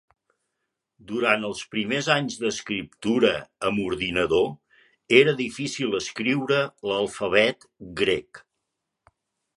Durant els primers anys d'escriptura amb ordinador era difícil escriure l'alfabet grec.